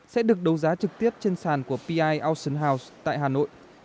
sẽ được đấu giá trực tiếp trên sàn của p i austin house tại hà nội